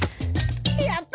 やった。